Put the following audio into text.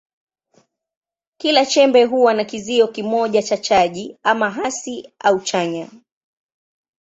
Kila chembe huwa na kizio kimoja cha chaji, ama hasi au chanya.